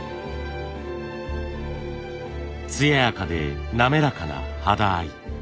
艶やかで滑らかな肌合い。